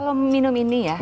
kalau minum ini ya